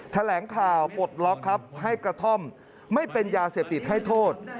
แถลงข่าวปลดล็อกครับให้กระท่อมไม่เป็นยาเสพติดให้โทษ